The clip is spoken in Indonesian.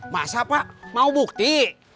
masa pak mau bukti